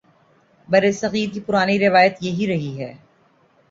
برصغیر کی پرانی روایت یہی رہی ہے۔